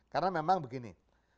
karena memang begini